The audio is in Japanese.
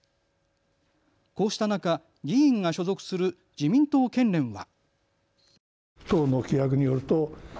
こうした中、議員が所属する自民党県連は。